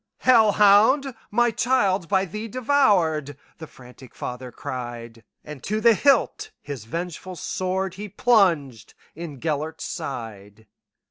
"Hell hound! my child 's by thee devoured,"The frantic father cried; And to the hilt his vengeful swordHe plunged in Gêlert's side.